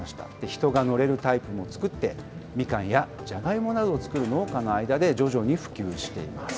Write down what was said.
人が乗れるタイプもつくって、みかんやジャガイモなどを作る農家の間で徐々に普及しています。